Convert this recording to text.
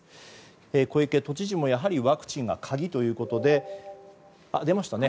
小池都知事も、やはりワクチンが鍵ということで出ましたね。